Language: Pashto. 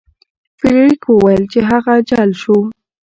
فلیریک وویل چې هغه جل شو.